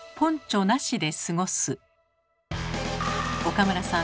岡村さん